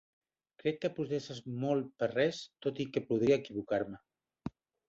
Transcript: Crec que protestes molt per res, tot i que podria equivocar-me.